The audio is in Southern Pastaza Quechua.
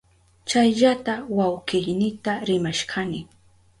Chayllata wawkiynita rimashkani.